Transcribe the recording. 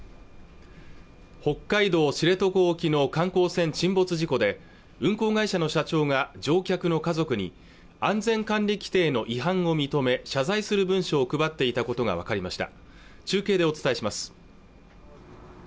北海道知床沖の観光船沈没事故で運航会社の社長が乗客の家族に安全管理規程の違反を認め謝罪する文書を配っていたことが分かりました中継でお伝えします